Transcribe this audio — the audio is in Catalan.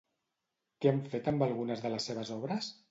Què han fet amb algunes de les seves obres?